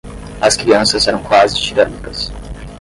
As crianças eram quase tirânicas.